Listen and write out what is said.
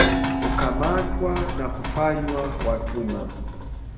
kukamatwa na kufanywa watumwa